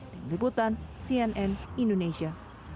dari liputan cnn indonesia